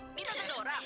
ini tante dora